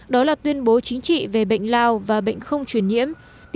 đó là tuyên bố chính trị về bệnh lao và bệnh không truyền nhiễm